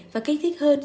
và kích thích hơn